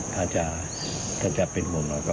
ถ้าจะเป็นห่วงหน่อยก็